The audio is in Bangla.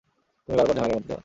তুমি বারবার ঝামেলার মধ্যে যাও!